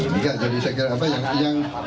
ya jadi saya kira apa yang yang